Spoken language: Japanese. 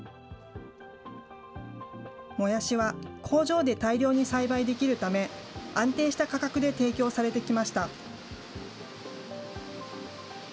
もやしは、工場で大量に栽培できるため、安定した価格で提供されてきました。